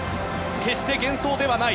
決して幻想ではない。